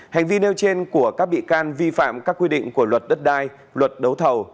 hành vi nêu trên của các bị can vi phạm các quy định của luật đất đai luật đấu thầu